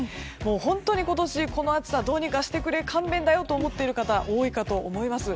本当に今年、この暑さどうにかしてくれ勘弁だよと思っている方多いかと思います。